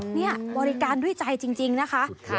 นี่บริการด้วยใจจริงนะคะ